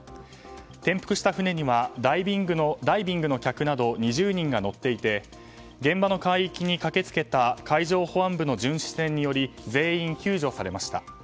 転覆した船にはダイビングの客など２０人が乗っていて現場の海域に駆け付けた海上保安部の巡視船により全員、救助されました。